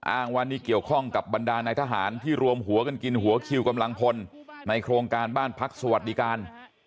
อ้างว่านี่เกี่ยวข้องกับบรรดาในทหารที่รวมหัวกันกินหัวคิวกำลังพลในโครงการบ้านพักสวัสดิการ